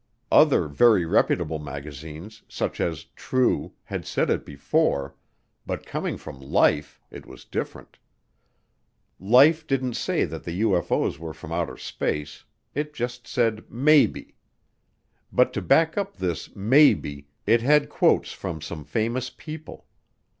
Other very reputable magazines, such as True, had said it before, but coming from Life, it was different. Life didn't say that the UFO's were from outer space; it just said maybe. But to back up this "maybe," it had quotes from some famous people.